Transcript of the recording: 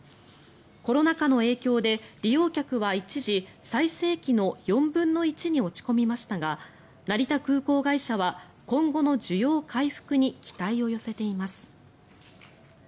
コロナ禍の影響で利用客は一時、最盛期の４分の１に落ち込みましたが成田空港会社は今後の需要回復に期待を寄せています。